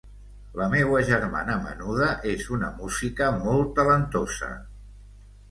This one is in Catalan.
La meua germana menuda és una música molt talentosa.